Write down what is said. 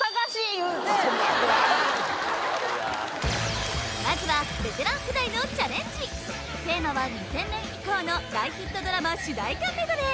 言うてお前悪いまずはベテラン世代のチャレンジテーマは２０００年以降の大ヒットドラマ主題歌メドレー